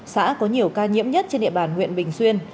xã có nhiều ca nhiễm nhất trên địa bàn huyện bình xuyên